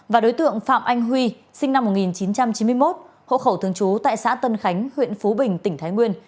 và đối tượng phạm anh huy sinh năm một nghìn chín trăm chín mươi một hộ khẩu thường trú tại xã tân khánh huyện phú bình tỉnh thái nguyên